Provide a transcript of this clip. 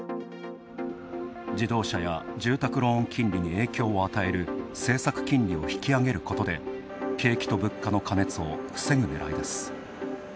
自動車や住宅ローン金利に影響を与える政策金利を引き上げることで景気と物価の過熱を防ぐねらいです。